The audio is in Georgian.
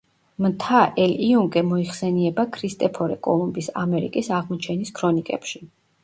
მთა ელ-იუნკე მოიხსენიება ქრისტეფორე კოლუმბის ამერიკის აღმოჩენის ქრონიკებში.